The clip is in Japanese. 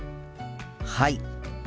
はい！